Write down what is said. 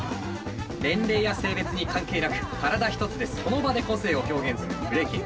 年齢や性別に関係なく体一つでその場で個性を表現するブレイキン。